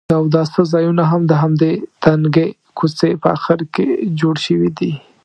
د اوداسه ځایونه هم د همدې تنګې کوڅې په اخر کې جوړ شوي دي.